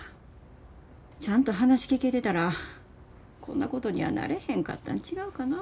ちゃんと話聞けてたらこんなことにはなれへんかったん違うかなぁ。